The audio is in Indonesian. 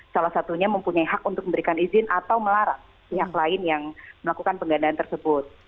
salah satunya mempunyai hak untuk memberikan izin atau melarang pihak lain yang melakukan penggandaan tersebut